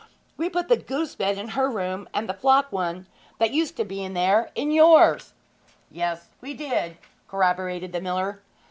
We put the goose bed in her room, and the flock one, that used to be there, in yours.' 'Yes, we did,' corroborated the miller.